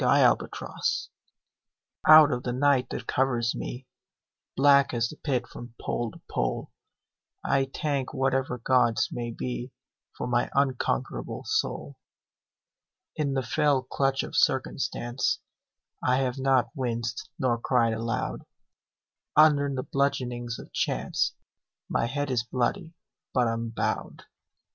Y Z Invictus OUT of the night that covers me, Black as the Pit from pole to pole, I thank whatever gods may be For my unconquerable soul. In the fell clutch of circumstance I have not winced nor cried aloud, Under the bludgeonings of chance My head is bloody, but unbowed.